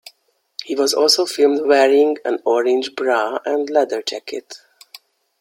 He was also filmed wearing an orange bra and leather jacket.